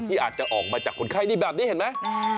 อาจจะออกมาจากคนไข้นี่แบบนี้เห็นไหม